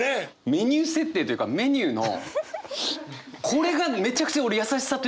メニュー設定というかメニューのこれがめちゃくちゃ俺優しさというか。